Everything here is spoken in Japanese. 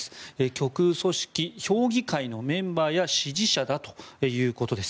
極右組織、評議会のメンバーや支持者だということです。